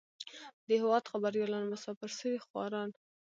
د هېواد خبريالان مسافر سوي خواران.